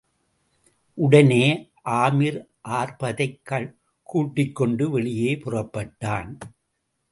உடனே ஆமிர், அர்பதைக் கூட்டிக் கொண்டு வெளியே புறப்பட்டான்.